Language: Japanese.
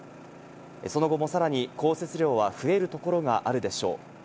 その後もさらに降雪量は増えるところがあるでしょう。